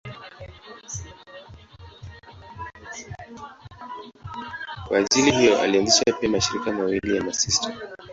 Kwa ajili hiyo alianzisha pia mashirika mawili ya masista.